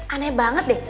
aneh banget deh